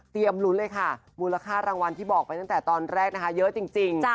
ลุ้นเลยค่ะมูลค่ารางวัลที่บอกไปตั้งแต่ตอนแรกนะคะเยอะจริง